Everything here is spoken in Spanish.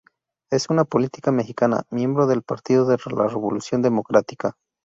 Es una política mexicana, miembro del Partido de la Revolución Democrática.